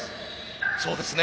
そうですね。